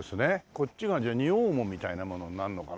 こっちがじゃあ仁王門みたいなものになるのかな。